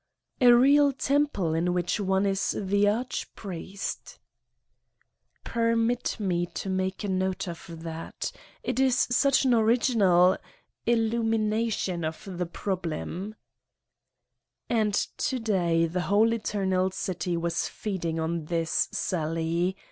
"A real temple, in which one is the arch priest I" " Permit me to make a note of that. It is such an original illumination of the problem " And to day the whole Eternal City was feeding on this sally.